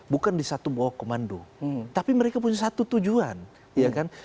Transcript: bukan di satu bawah komando tapi mereka punya satu tujuan ya kan